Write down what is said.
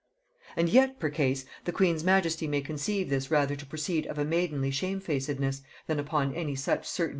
And yet percase, the queen's majesty may conceive this rather to proceed of a maidenly shamefacedness, than upon any such certain determination."